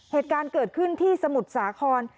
เหตุการณ์เกิดขึ้นที่สมุทรสาคร